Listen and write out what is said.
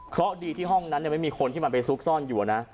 เพราะดีที่ห้องนั้นไม่มีคนที่มันไปซุกซ่อนอยู่นะ